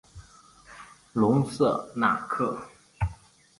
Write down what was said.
隆瑟纳克。